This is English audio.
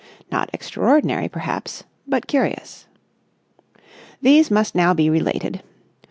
Not extraordinary, perhaps, but curious. These must now be related.